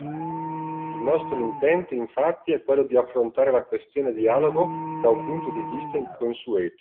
Il nostro intento, infatti, è quello di affrontare la questione-dialogo da un punto di vista inconsueto